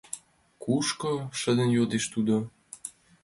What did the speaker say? — Кушко? — шыдын йодеш тудо.